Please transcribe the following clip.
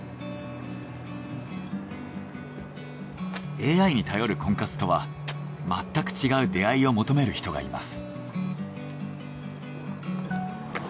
ＡＩに頼る婚活とはまったく違う出会いを求める人がいます。